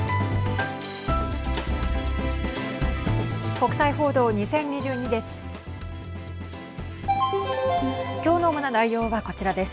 国際報道２０２２です。